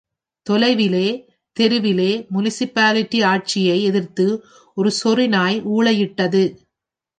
தொலைவிலே, தெருவிலே முனிசிபாலிடி ஆட்சியை எதிர்த்து ஒரு சொறிநாய் ஊளையிட்டது.